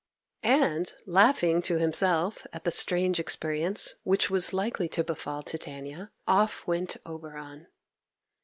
And, laughing to himself at the strange experience which was likely to befall Titania, off went Oberon.